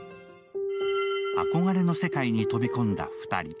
憧れの世界に飛び込んだ２人。